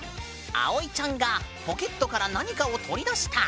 葵ちゃんがポケットから何かを取り出した。